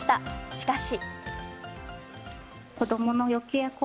しかし。